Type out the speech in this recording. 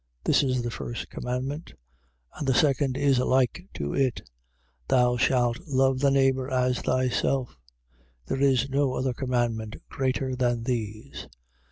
This is the first commandment. 12:31. And the second is like to it: Thou shalt love thy neighbour as thyself. There is no other commandment greater than these.